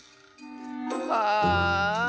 ああ。